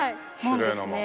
きれいな門。